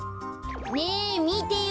ねえみてよ